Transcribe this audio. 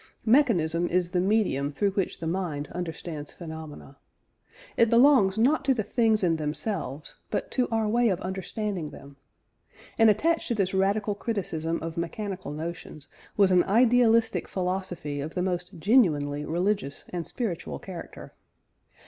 Mechanism is the medium through which the mind understands phenomena. It belongs not to the things in themselves, but to our way of understanding them. And attached to this radical criticism of mechanical notions, was an idealistic philosophy of the most genuinely religious and spiritual character.